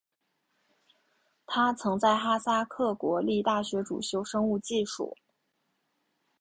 他曾在哈萨克国立大学主修生物技术。